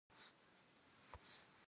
Ş'ıgupsxer dunêym yi daxağeş.